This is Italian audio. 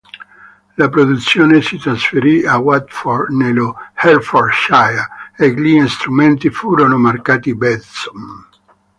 La produzione si trasferì a Watford nello Hertfordshire, e gli strumenti furono marcati Besson.